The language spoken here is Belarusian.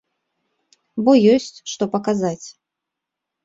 Бо ёсць, што паказаць.